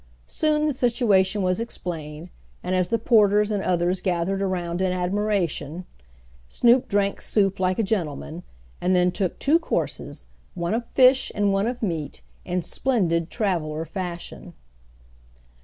Soon the situation was explained, and as the porters and others gathered around in admiration, Snoop drank soup like a gentleman, and then took two courses, one of fish and one of meat, in splendid traveler fashion.